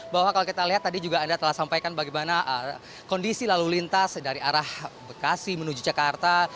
bahwa kalau kita lihat tadi juga anda telah sampaikan bagaimana kondisi lalu lintas dari arah bekasi menuju jakarta